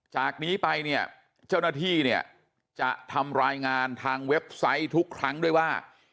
จากนี้ไปเนี่ยเจ้าหน้าที่เนี่ยจะทำรายงานทางเว็บไซต์ทุกครั้งด้วยว่า